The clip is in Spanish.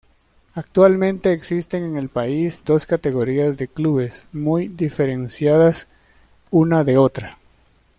Actualmente existen en el país dos categoría de clubes muy diferenciadas una de otra.